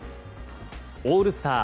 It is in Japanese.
オールスター